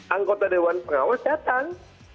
anggota dewan pengawas datang